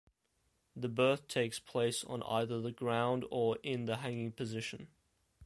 The birth takes place on either the ground or in the hanging position.